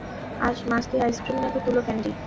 মাজ-মাস্তি, ice cream নাকি তুলো candy?